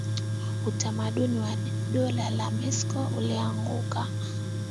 utamaduni wa dola la moscow ulianguka